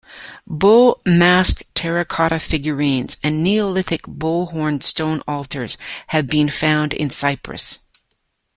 Bull-masked terracotta figurines and Neolithic bull-horned stone altars have been found in Cyprus.